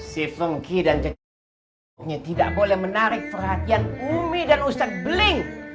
si fengki dan cecetnya tidak boleh menarik perhatian umi dan ustadz blink